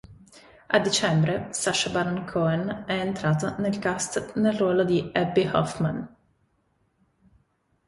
A dicembre Sacha Baron Cohen è entrato nel cast nel ruolo di Abbie Hoffman.